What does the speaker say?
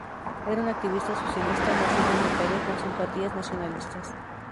Era un activista socialista nacido en Italia, con simpatías nacionalistas.